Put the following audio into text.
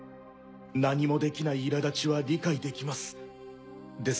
何もできない苛立ちは理解できます。